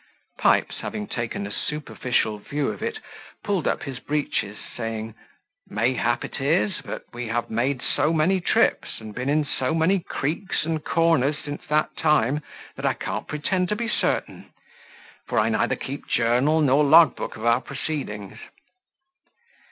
Pipes, having taken a superficial view of it, pulled up his breeches, saying, "Mayhap it is, but we have made so many trips, and been in so many creeks and corners since that time, that I can't pretend to be certain; for I neither keep journal nor log book of our proceedings."